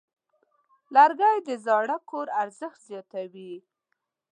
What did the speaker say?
لرګی د زاړه کور ارزښت زیاتوي.